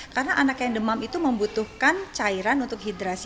karena anak yang demam itu membutuhkan cairan untuk hidrasi